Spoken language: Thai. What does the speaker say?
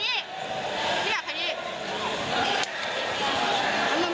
พี่ขอไปร้องข้างในก่อน